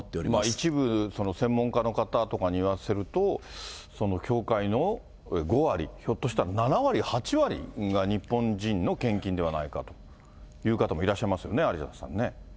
一部、専門家の方とかに言わせると、教会の５割、ひょっとしたら７割、８割が日本人の献金ではないかという方もいらっしゃいますよね、有田さんね。